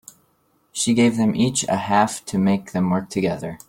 She gave them each a half to make them work together.